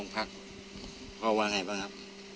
พักพ่อว่าไงบ้างครับ